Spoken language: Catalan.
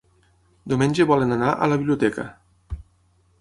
Diumenge volen anar a la biblioteca.